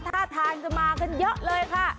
ท่าทางจะมากันเยอะเลยค่ะ